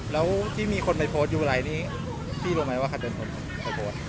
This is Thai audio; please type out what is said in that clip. แล้วที่มีคนไปโพสต์อยู่ไหนนี้พี่รู้มั้ยว่าคระเซนตอร์นไปโพสต์